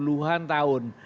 sampai puluhan tahun